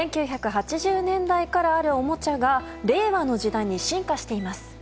１９８０年代からあるおもちゃが令和の時代に進化しています。